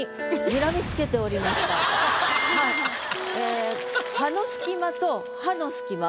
ええ「葉の隙間」と「歯の隙間」